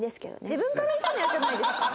自分からいくのイヤじゃないですか？